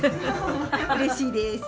うれしいです。